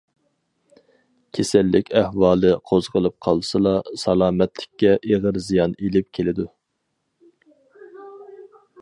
كېسەللىك ئەھۋالى قوزغىلىپ قالسىلا، سالامەتلىككە ئېغىر زىيان ئېلىپ كېلىدۇ.